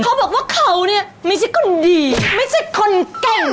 เขาบอกว่าเขาเนี่ยไม่ใช่คนดีไม่ใช่คนเก่ง